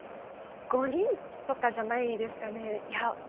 ５人とかじゃないですかね